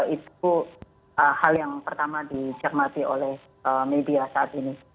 itu hal yang pertama dicermati oleh media saat ini